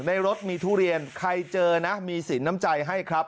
รถมีทุเรียนใครเจอนะมีสินน้ำใจให้ครับ